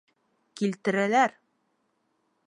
Килтерәләр!